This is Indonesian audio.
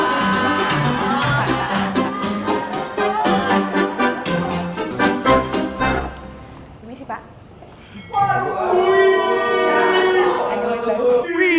saya janji gak telat lagi